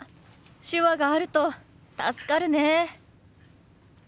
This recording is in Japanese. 手話があると助かるね。